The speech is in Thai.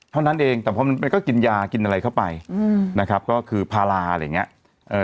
เท่านั้นเองแต่พอมันก็กินยากินอะไรเข้าไปอืมนะครับก็คือพาราอะไรอย่างเงี้ย